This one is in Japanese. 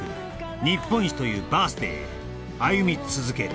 日本一というバース・デイへ歩み続ける